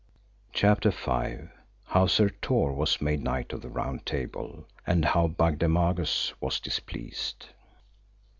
CHAPTER V. How Sir Tor was made knight of the Round Table, and how Bagdemagus was displeased.